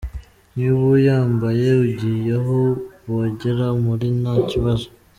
Niba uyambaye ugiye aho bogera muri ntakibazo.